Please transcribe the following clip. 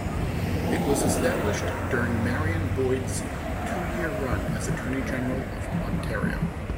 It was established during Marion Boyd's two-year run as Attorney General of Ontario.